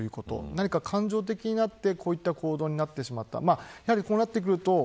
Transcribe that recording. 何か感情的になって、こういった行動になってしまった。